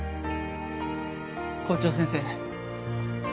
校長先生。